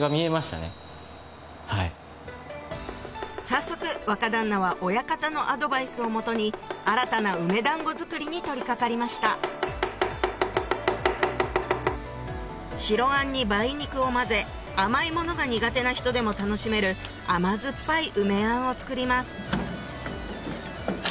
早速若旦那は親方のアドバイスを基に新たな梅だんご作りに取り掛かりました白あんに梅肉を混ぜ甘いものが苦手な人でも楽しめる甘酸っぱい梅あんを作ります